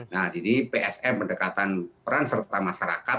nah jadi psm pendekatan peran serta masyarakat